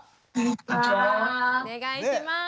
お願いします。